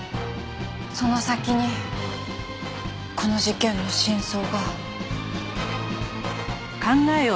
その先にこの事件の真相が。